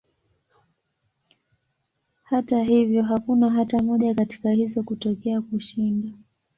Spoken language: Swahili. Hata hivyo, hakuna hata moja katika hizo kutokea kushinda.